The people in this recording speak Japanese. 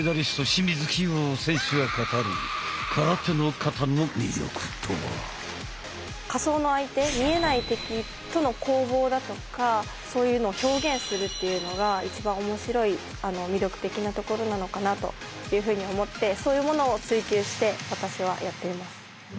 清水希容選手が語る仮想の相手見えない敵との攻防だとかそういうのを表現するっていうのが一番面白い魅力的なところなのかなというふうに思ってそういうものを追求して私はやっています。